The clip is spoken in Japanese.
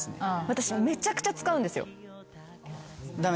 私めちゃくちゃ使うんですよ。